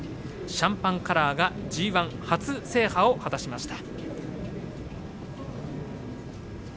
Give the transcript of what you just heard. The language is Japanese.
シャンパンカラーがＧＩ初制覇を果たしました。